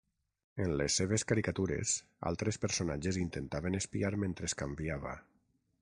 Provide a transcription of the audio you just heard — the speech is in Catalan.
En les seves caricatures, altres personatges intentaven espiar mentre es canviava.